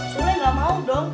sulih gak mau dong